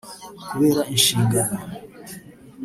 kubera inshingano